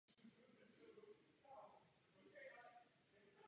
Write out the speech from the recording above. Jde o druhého civilního prezidenta po desetiletích vojenské diktatury.